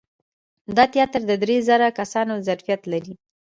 دا تیاتر د درې زره کسانو د ظرفیت لري.